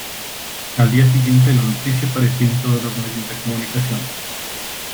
Al día siguiente, la noticia apareció en todos los medios de comunicación.